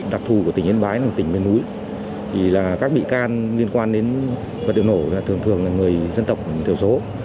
đặc thù của tỉnh yên bái là tỉnh bến mũi các bị can liên quan đến vật liệu nổ thường thường là người dân tộc thiểu số